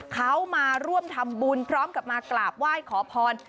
เขามาร่วมทำบุญพร้อมกับมากราบไหว้ขอพร